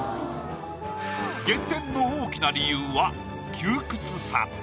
減点の大きな理由は窮屈さ。